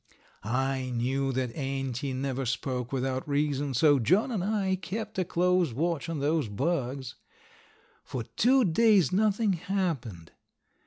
I knew that Auntie never spoke without reason, so John and I kept a close watch on those bugs. For two days nothing happened.